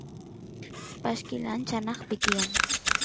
pashkil ancha anaqpi tiyan